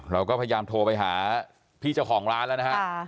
เราก็พยายามโทรไปหาพี่เจ้าของร้านแล้วนะฮะ